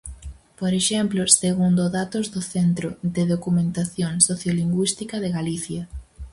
Por exemplo, segundo datos do Centro de Documentación Sociolingüística de Galicia.